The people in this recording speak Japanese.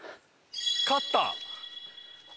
勝った！